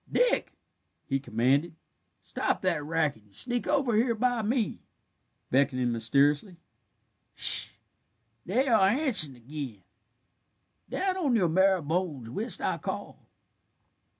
Dick," he commanded, "stop that racket, and sneak over here by me," beckoning mysteriously. "Sh h h! they are answerin' ag'in. Down on your marrow bones whilst I call."